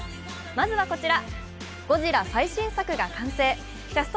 まずはこちら。